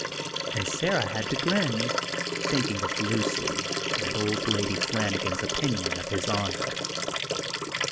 And Sarah had to grin, thinking of Lucy, and Old Lady Flanagan's opinion of His Honor!